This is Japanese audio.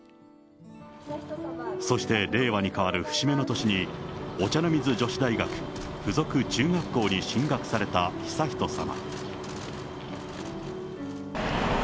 そして令和にかわる節目の年にお茶の水女子大学附属中学校に進学された悠仁さま。